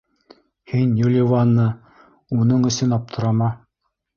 — Һин, Юливанна, уның өсөн аптырама.